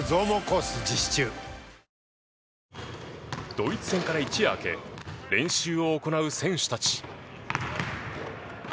ドイツ戦から一夜明け練習を行う選手たち。